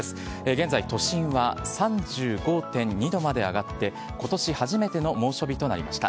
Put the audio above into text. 現在、都心は３５．２度まで上がって、ことし初めての猛暑日となりました。